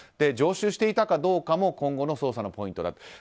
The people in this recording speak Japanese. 常習していたかどうかも今後の捜査のポイントだと。